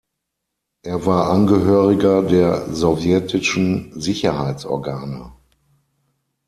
Er war Angehöriger der sowjetischen Sicherheitsorgane.